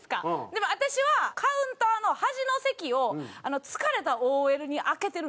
でも私はカウンターの端の席を疲れたＯＬに空けてるんですよ。